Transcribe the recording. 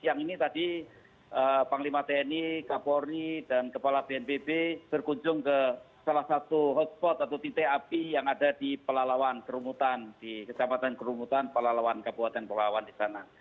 yang ini tadi panglima tni kapolri dan kepala bnpb berkunjung ke salah satu hotspot atau titik api yang ada di pelalawan kerumutan di kecamatan kerumutan pelalawan kabupaten palawan di sana